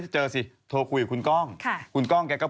เอ้ามาเรื่องนี้นะครับ